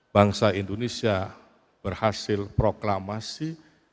bangsa indonesia berhasil proklamasi